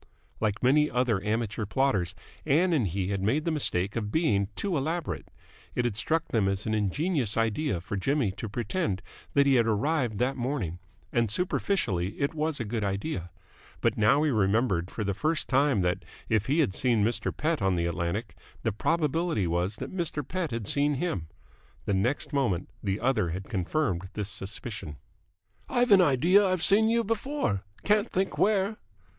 Like many other amateur plotters, Ann and he had made the mistake of being too elaborate. It had struck them as an ingenious idea for Jimmy to pretend that he had arrived that morning, and superficially it was a good idea: but he now remembered for the first time that, if he had seen Mr. Pett on the Atlantic, the probability was that Mr. Pett had seen him. The next moment the other had confirmed this suspicion. "I've an idea I've seen you before. Can't think where."